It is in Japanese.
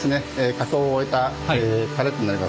加工を終えたパレットになります。